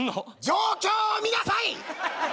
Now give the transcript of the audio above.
状況をみなさい！